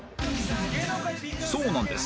そうなんです。